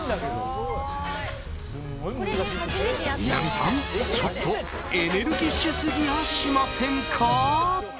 南さん、ちょっとエネルギッシュすぎやしませんか。